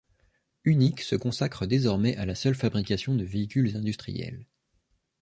Unic se consacre désormais à la seule fabrication de véhicules industriels.